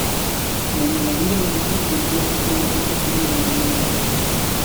Baina badira, ordea, kontuan hartu beharreko zenbait gorabehera ere.